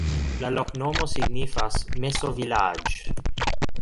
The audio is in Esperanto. La loknomo signifas: meso-vilaĝ'.